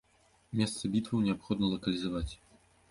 Месцы бітваў неабходна лакалізаваць.